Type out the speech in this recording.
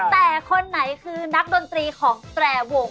แต่คนไหนคือนักดนตรีของแตรวง